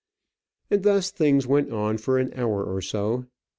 And thus things went on for an hour or so.